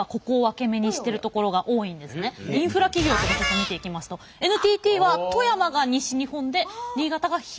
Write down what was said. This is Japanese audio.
インフラ企業とか見ていきますとＮＴＴは富山が西日本で新潟が東日本。